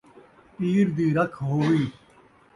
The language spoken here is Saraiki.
پِیر دی رکھ ہووی